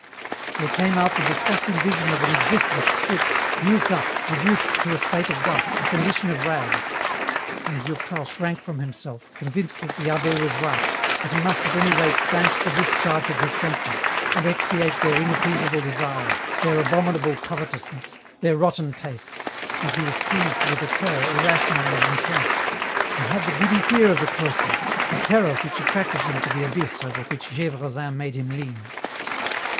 There came out the disgusting vision of an existence stripped, used up, reduced to a state of dust, a condition of rags. And Durtal shrank from himself, convinced that the abbd was right, that he must at any rate stanch the discharge of his senses, and expiate their inappeasable desires, their abominable covetousness, their rotten tastes, and he was seized with a terror irrational and intense. He had the giddy fear of the cloister, a terror which attracted him to the abyss over which Gdvresin made him lean.